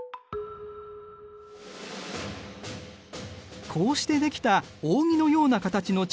こうしてできた扇のような形の地形が扇状地。